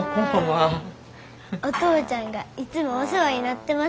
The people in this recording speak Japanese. お父ちゃんがいつもお世話になってます。